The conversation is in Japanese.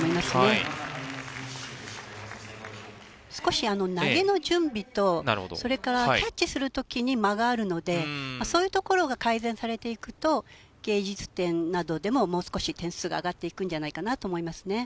少し投げの準備とそれからキャッチする時に間があるのでそういうところが改善されていくと芸術点などでももう少し点数が上がっていくんじゃないかなと思いますね。